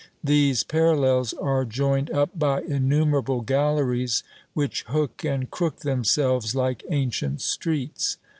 These parallels are joined up by innumerable galleries which hook and crook themselves like ancient streets.